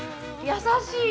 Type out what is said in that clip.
優しい。